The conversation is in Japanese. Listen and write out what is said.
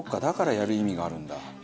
だからやる意味があるんだ。